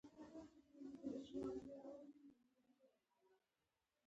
خپل مشهود او غیر مشهود مخالفین زندان ته استول